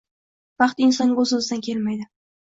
Baxt insonga o’z-o’zidan kelmaydi.